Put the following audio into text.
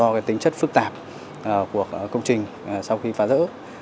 do tính chất phức tạp của công trình sau khi phá rỡ